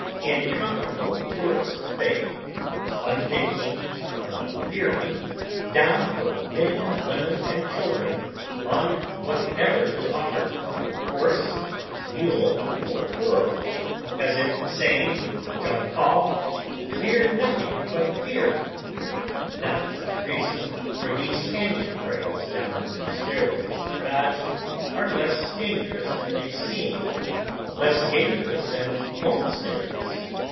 In comfortable tourist faith, unthinking, unfearing, down go men, women, and children on whatever is offered, horse, mule, or burro, as if saying with Jean Paul, "fear nothing but fear"—not without reason, for these cañon trails down the stairways of the gods are less dangerous than they seem, less dangerous than home stairs.